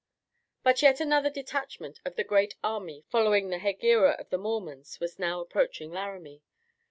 But yet another detachment of the great army following the hegira of the Mormons was now approaching Laramie.